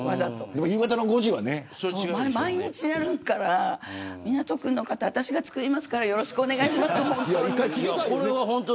夕方の鐘は毎日鳴るから港区の方、私が作りますからよろしくお願いします、本当に。